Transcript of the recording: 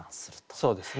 そうですね。